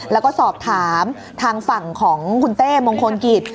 แล้วก็สอบถามทางฝั่งของคุณเต้มงคลกิจ